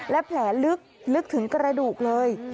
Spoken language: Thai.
และแผลลึกลึกถึงกระดูกเลย